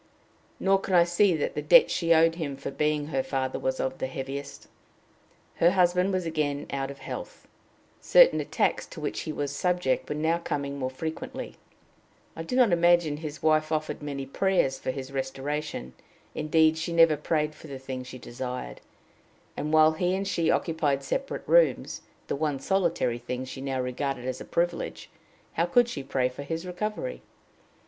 Nor can I see that the debt she owed him for being her father was of the heaviest. Her husband was again out of health certain attacks to which he was subject were now coming more frequently. I do not imagine his wife offered many prayers for his restoration. Indeed, she never prayed for the thing she desired; and, while he and she occupied separate rooms, the one solitary thing she now regarded as a privilege, how could she pray for his recovery?